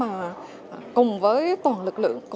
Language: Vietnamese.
và họ phải hy sinh rất là nhiều